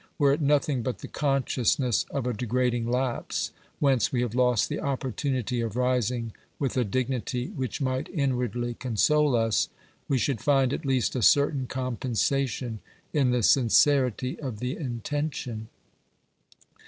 Were it nothing but the consciousness of a degrading lapse, whence we have lost the opportunity of rising with a dignity which might inwardly console us, we should find at least a certain compensation in the sincerity of the intention.